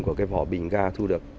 của cái vỏ bình ga thu được